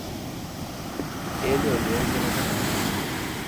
Ele olhou pela janela.